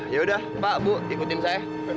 yaudah pak bu ikutin saya